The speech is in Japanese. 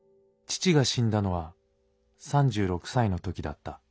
父が死んだのは３６歳の時だった。